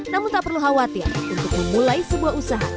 namun tak perlu khawatir untuk memulai sebuah usaha